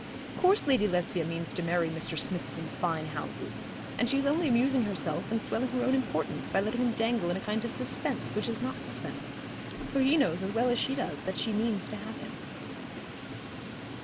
Of course Lady Lesbia means to marry Mr. Smithson's fine houses; and she is only amusing herself and swelling her own importance by letting him dangle in a kind of suspense which is not suspense; for he knows as well as she does that she means to have him.'